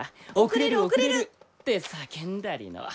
遅れる遅れる！って叫んだりの。